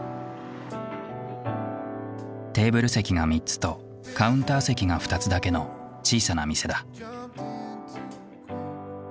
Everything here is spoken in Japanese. テーブル席が３つとカウンター席が２つだけの小さな店だ。